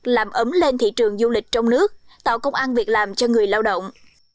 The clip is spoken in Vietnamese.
làm ấm lên thị trường du lịch trong nước tạo công an việc làm cho người lao động